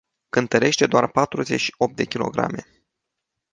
Cântărește doar patruzeci și opt de kilograme.